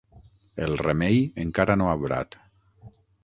El remei encara no ha obrat.